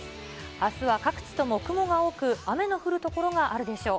あすは各地とも雲が多く、雨の降る所があるでしょう。